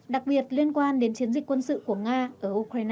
đặc biệt liên quan đến chiến dịch quân sự của nga ở ukraine